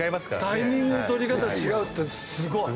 タイミングの取り方違うってすごい。